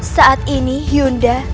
saat ini yunda